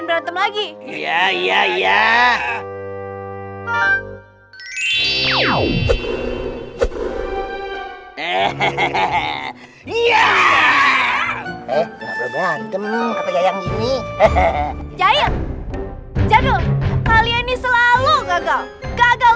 hehehe ya eh nggak berganteng kata yang ini hehehe jahil jadul kalian nih selalu gagal gagal